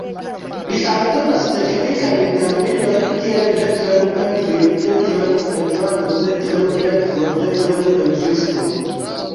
Li aldonas teknikajn terminojn kiel detrem-pentri, detrem-pentrado, detrem-pentro, detrem-pentristo.